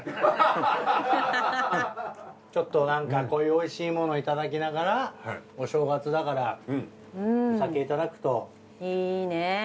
ちょっとこういうおいしいものいただきながらお正月だからお酒いただくと。いいね。